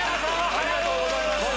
ありがとうございます。